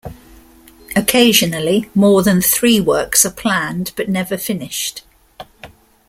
Occasionally, more than three works are planned but never finished.